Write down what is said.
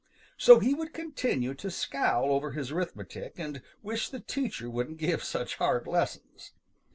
So he would continue to scowl over his arithmetic and wish the teacher wouldn't give such hard lessons.